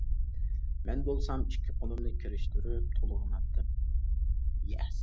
مەن بولسام ئىككى قولۇمنى كىرىشتۈرۈپ تولغىناتتىم.